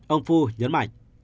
ông phu nhấn mạnh